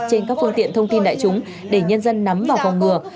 trên các phương tiện thông tin đại chúng để nhân dân nắm và phòng ngừa